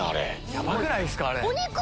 ヤバくないですか？